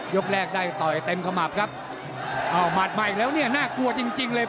กแรกได้ต่อยเต็มขมับครับอ้าวหมัดมาอีกแล้วเนี่ยน่ากลัวจริงจริงเลย